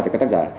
tại các tác giả